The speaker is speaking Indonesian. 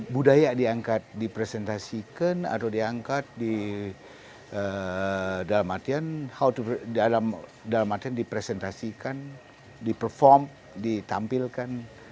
budaya diangkat dipresentasikan atau diangkat dalam artian dipresentasikan di perform ditampilkan